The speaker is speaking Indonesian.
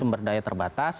sumber daya terbatas